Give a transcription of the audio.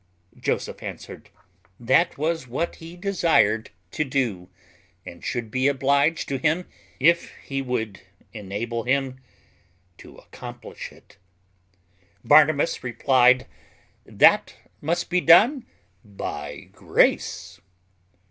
Joseph answered, "That was what he desired to do, and should be obliged to him if he would enable him to accomplish it." Barnabas replied, "That must be done by grace."